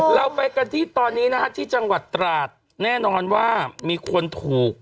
เราไปกันที่ตอนนี้นะฮะที่จังหวัดตราดแน่นอนว่ามีคนถูก